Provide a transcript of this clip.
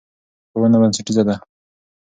ښوونه بنسټیزه ده.